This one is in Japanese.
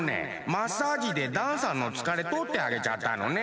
マッサージでダンさんのつかれとってあげちゃったのね。